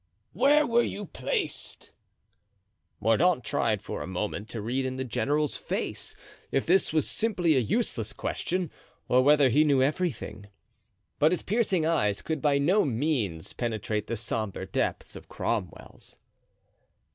'" "Where were you placed?" Mordaunt tried for a moment to read in the general's face if this was simply a useless question, or whether he knew everything. But his piercing eyes could by no means penetrate the sombre depths of Cromwell's.